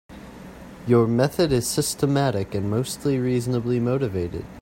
Your method is systematic and mostly reasonably motivated.